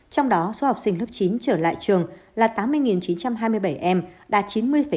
trong đó số học sinh lớp chín trở lại trường là tám mươi chín trăm hai mươi bảy em đạt chín mươi sáu mươi chín